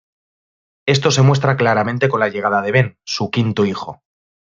Esto se muestra claramente con la llegada de Ben, su quinto hijo.